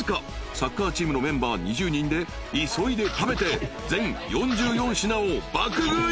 ［サッカーチームのメンバー２０人で急いで食べて全４４品を爆食い］